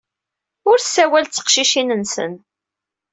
Ur ssawal ed teqcicin-nsen.